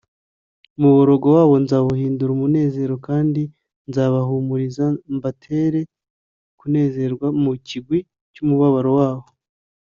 “umuborogo wabo nzawuhindura umunezero kandi nzabahumuriza mbatere kunezerwa mu kigwi cy’umubabaro wabo